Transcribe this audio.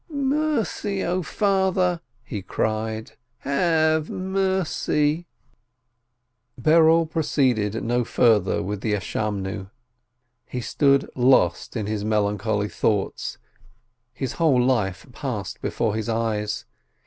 "Mercy, 0 Father," he cried, "have mercy !" Berel proceeded no further with the Prayer of Expia tion. He stood lost in his melancholy thoughts, his whole life passed before his eyes.